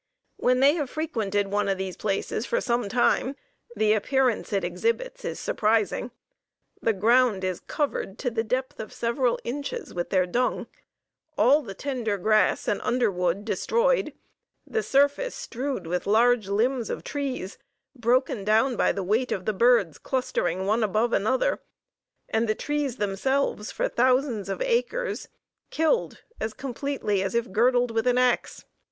When they have frequented one of these places for some time the appearance it exhibits is surprising. The ground is covered to the depth of several inches with their dung; all the tender grass and underwood destroyed; the surface strewed with large limbs of trees, broken down by the weight of the birds clustering one above another; and the trees themselves, for thousands of acres, killed as completely as if girdled with an ax.